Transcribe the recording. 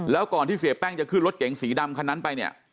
แล้วก่อนที่เสียแป้งจะขึ้นรถเก๋งสีดำคันนั้นไปเนี่ย